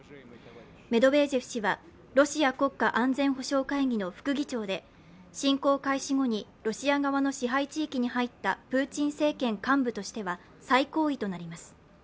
メドベージェフ氏はロシア国家安全保障会議の副議長で侵攻開始後にロシア側の支配地域に入ったプーチン政権幹部としては最高位となります。